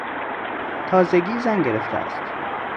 تازگی زن گرفته است.